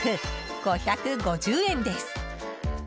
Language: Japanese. ５５０円です。